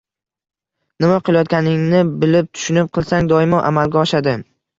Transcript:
— Nima qilayotganingni bilib, tushunib qilsang, doimo amalga oshadi.